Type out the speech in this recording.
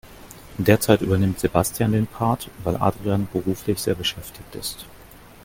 Derzeit übernimmt Sebastian den Part, weil Adrian beruflich sehr beschäftigt ist.